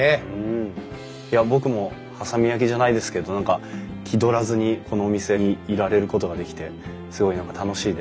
いや僕も波佐見焼じゃないですけど何か気取らずにこのお店にいられることができてすごい何か楽しいです。